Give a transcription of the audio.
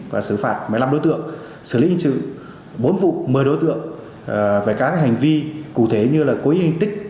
và xử phạt một mươi năm đối tượng xử lý hình sự bốn vụ một mươi đối tượng về các hành vi cụ thể như là cố ý hình tích